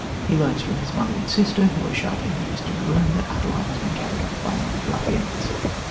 He learns from his mother and sister, who are shut in a distant room, that Adeline has been carried off by armed ruffians.